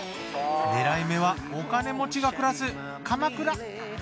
狙い目はお金持ちが暮らす鎌倉。